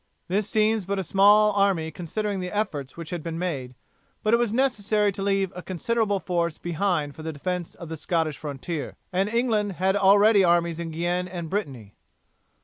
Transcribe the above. This seems but a small army considering the efforts which had been made; but it was necessary to leave a considerable force behind for the defence of the Scottish frontier, and England had already armies in Guienne and Brittany.